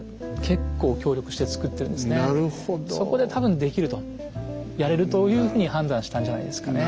そこで多分できるとやれるというふうに判断したんじゃないですかね。